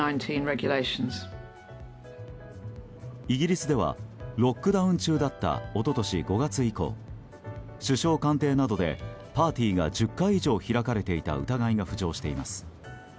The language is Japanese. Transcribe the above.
イギリスではロックダウン中だった一昨年５月以降首相官邸などでパーティーが１０回以上開かれていた疑いが浮上しています。